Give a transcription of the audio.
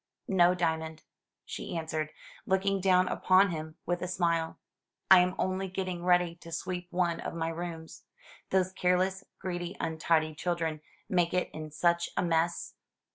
"No, Diamond," she answered, looking down upon him with a smile; "I am only getting ready to sweep one of my rooms. Those careless, greedy, untidy children make it in such a mess."